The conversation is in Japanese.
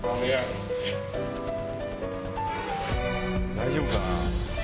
大丈夫かな？